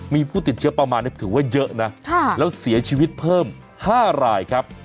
มีผู้ติดเชื้อประมาณนี้ถือว่าเยอะนะแล้วเสียชีวิตเพิ่ม๕รายครับ